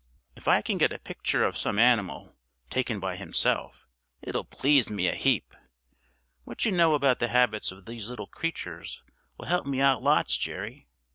If I can get a picture of some animal, taken by himself, it'll please me a heap. What you know about the habits of these little creatures will help me out lots, Jerry."